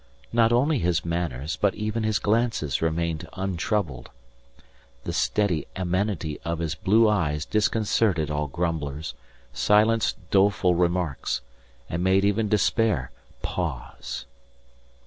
Not only his manners but even his glances remained untroubled. The steady amenity of his blue eyes disconcerted all grumblers, silenced doleful remarks, and made even despair pause.